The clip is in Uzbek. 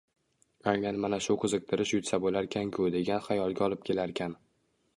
Aynan mana shu qiziqtirish yutsa boʻlarkan-ku degan xayolga olib kelarkan